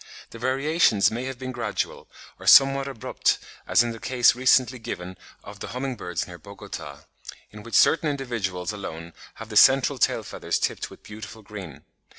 The variations may have been gradual, or somewhat abrupt as in the case recently given of the humming birds near Bogota, in which certain individuals alone have the "central tail feathers tipped with beautiful green."